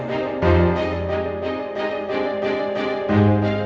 mungkin gue bisa dapat petunjuk lagi disini